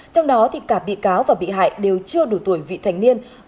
trong đó cả bị cáo và bị hại đều chưa đủ tuổi vị thành niên